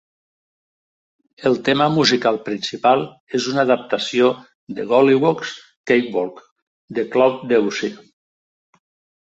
El tema musical principal és una adaptació de Golliwogg's Cakewalk de Claude Debussy.